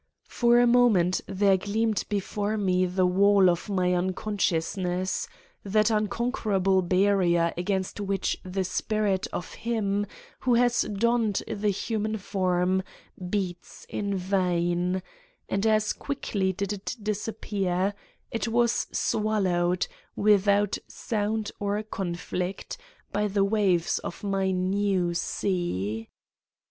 For a moment there gleamed before me the wall of my unconsciousness, that unconquer able barrier against which the spirit of him who has donned the human form beats in vain, and as quickly did it disappear: it was swallowed, without sound or conflict, by the waves of my new sea.